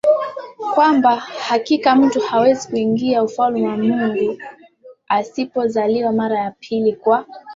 kwamba hakika mtu hawezi kuingia ufalme wa Mungu asipozaliwa mara ya pili kwa